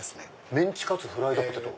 メンチカツフライドポテト。